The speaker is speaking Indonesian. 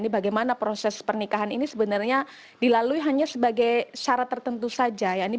bagaimana proses pernikahan ini sebenarnya dilalui hanya sebagai syarat tertentu saja